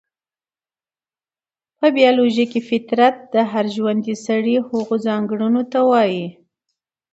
په بيالوژي کې فطرت د هر ژوندي سري هغو ځانګړنو ته وايي،